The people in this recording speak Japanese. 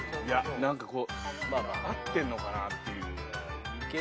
いや何かこう合ってんのかなっていう。